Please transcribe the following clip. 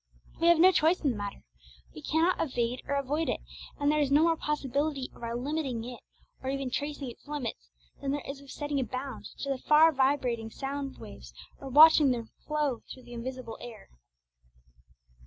We have no choice in the matter; we cannot evade or avoid it; and there is no more possibility of our limiting it, or even tracing its limits, than there is of setting a bound to the far vibrating sound waves, or watching their flow through the invisible air.